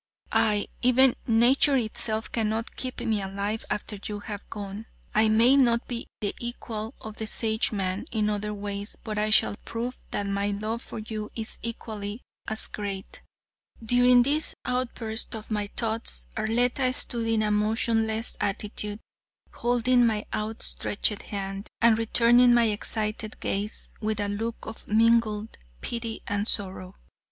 Aye, even nature itself cannot keep me alive after you have gone. I may not be the equal of the Sageman in other ways, but I shall prove that my love for you is equally as great." During this outburst of my thoughts, Arletta stood in a motionless attitude, holding my outstretched hand and returning my excited gaze with a look of mingled pity and sorrow.